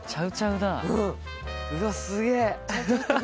うわすげぇ。